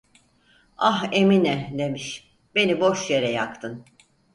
'Ah, Emine!' demiş, 'Beni boş yere yaktın.'